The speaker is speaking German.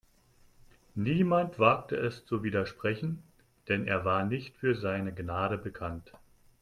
Niemand wagte es zu widersprechen, denn er war nicht für seine Gnade bekannt.